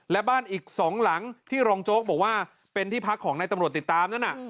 และบ้านอีก๒หลังที่รองโจ๊กบอกว่าเป็นที่พักของนายตำรวจติดตามนั่นน่ะ